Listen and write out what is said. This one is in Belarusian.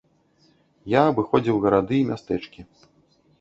Я абыходзіў гарады і мястэчкі.